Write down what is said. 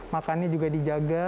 makannya juga dijaga